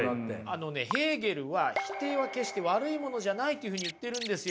あのねヘーゲルは否定は決して悪いものじゃないというふうに言ってるんですよ。